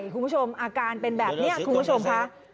คุณผู้ชมอาการเป็นแบบนี้คุณผู้ชมค่ะ